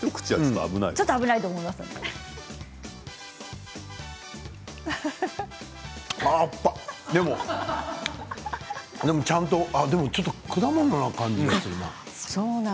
酸っぱ、でもちゃんとでもちょっと果物な感じがするな。